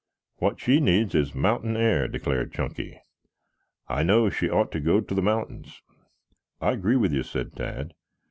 "What she needs is mountain air," declared Chunky. "I know. She ought to go to the mountains." "I agree with you," said Tad.